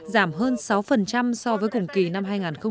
giảm hơn sáu so với cùng kỳ năm hai nghìn một mươi tám